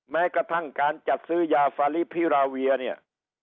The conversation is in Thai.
แม้กระทั่งการจัดซื้อยาฟาลิพิราเวียเนี่ย